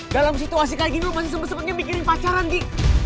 dalam situasi kaya gini lu masih sempet sempetnya mikirin pacaran ghi